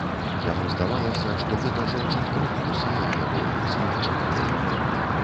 Яму здавалася, што гэта жончын крык кусае яго, смокча кроў.